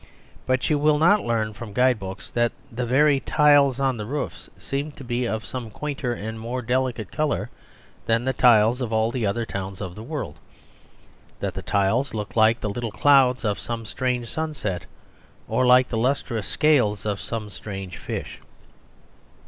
But you will not learn from guide books that the very tiles on the roofs seem to be of some quainter and more delicate colour than the tiles of all the other towns of the world; that the tiles look like the little clouds of some strange sunset, or like the lustrous scales of some strange fish.